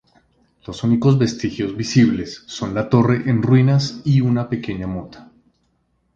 Los únicos vestigios visibles son la torre en ruinas y una pequeña mota.